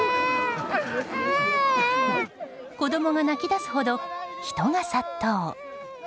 子供が泣き出すほど人が殺到。